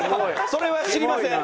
それは知りません！